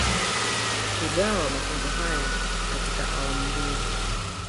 Kugawa mafunzo haya katika awamu mbili